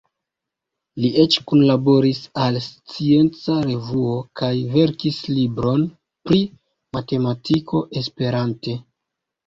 Li eĉ kunlaboris al Scienca Revuo kaj verkis libron pri matematiko esperante.